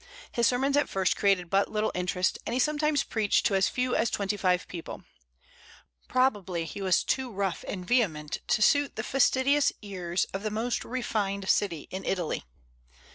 His sermons at first created but little interest, and he sometimes preached to as few as twenty five people. Probably he was too rough and vehement to suit the fastidious ears of the most refined city in Italy.